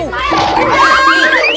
itu itu itu